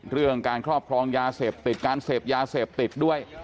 เรื่องการครอบครองยาเสพติดการเสพยาเสพติดด้วย